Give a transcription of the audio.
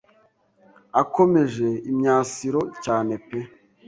Akomeje imyasiro cyane pe